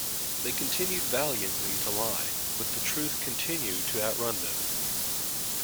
They continued valiantly to lie, but the truth continued to outrun them.